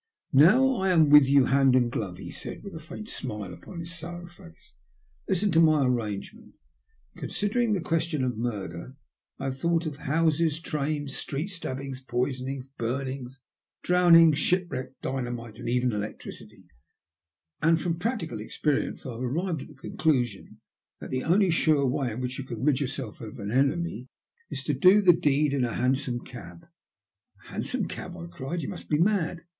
"Now I am with you hand and glove/' he said with a faint smile upon his sallow face. '' Listen to my arrangement. In considering the question of murder I have thought of houses, trains, street stabbings, poisonings, burnings, drowning, shipwreck, dynamite, and even electricity ; and from practical experience I have arrived at the conclusion that the only sure way in which you can rid yourself of an enemy is to do the deed in a hansom cab." "A hansom cab ?" I cried. "You must be mad.